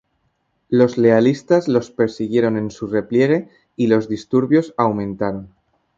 Los lealistas los persiguieron en su repliegue y los disturbios aumentaron.